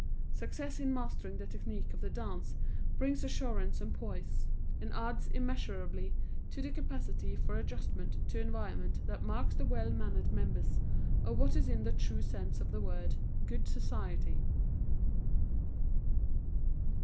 Success in mastering the technique of the dance brings assurance and poise, and adds immeasurably to the capacity for adjustment to environment that marks the well mannered members of what is in the true sense of the word "good society."